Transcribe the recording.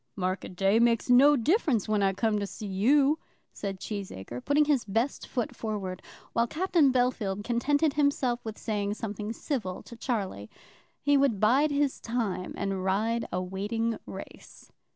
"Market day makes no difference when I come to see you," said Cheesacre, putting his best foot forward, while Captain Bellfield contented himself with saying something civil to Charlie. He would bide his time and ride a waiting race.